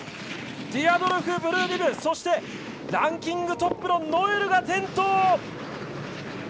ディアドルフ、ブルービブそして、ランキングトップノエルが転倒！